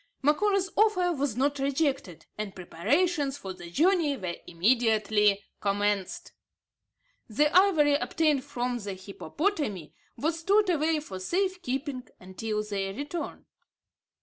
Macora's offer was not rejected; and preparations for the journey were immediately commenced. The ivory obtained from the hippopotami was stored away for safe keeping until their return.